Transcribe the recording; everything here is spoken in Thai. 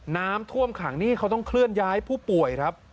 น้ำท่วมขังนี่เขาต้องเคลื่อนย้ายผู้ป่วยครับ